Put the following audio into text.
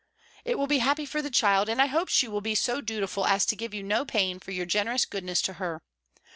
It will be happy for the child, and I hope she will be so dutiful as to give you no pain for your generous goodness to her.